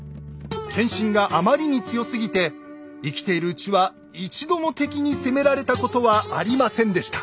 謙信があまりに強すぎて生きているうちは一度も敵に攻められたことはありませんでした。